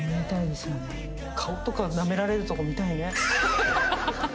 顔とかなめられるとこ見たいね。